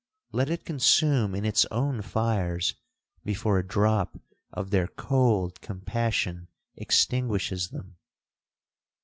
Let it consume in its own fires before a drop of their cold compassion extinguishes them!